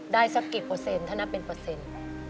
สักกี่เปอร์เซ็นถ้านับเป็นเปอร์เซ็นต์